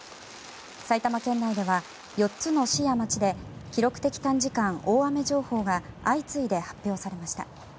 埼玉県内では４つの市や町で記録的短時間大雨情報が相次いで発表されました。